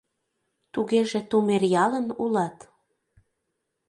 — Тугеже Тумеръялын улат?